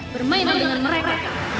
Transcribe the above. bermainlah dengan mereka